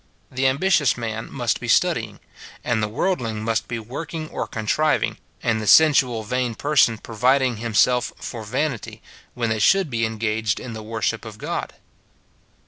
The ambitious man must be studying, and the worldling must be working or contriving, and the sensual, vain person providing himself for vanity, when they should be en gaged in the worship of God.